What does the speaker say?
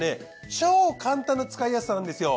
超簡単な使いやすさなんですよ。